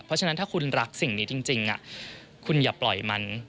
เพราะฉะนั้นถ้าคุณรักสิ่งนี้จริงคุณอย่าปล่อยมัน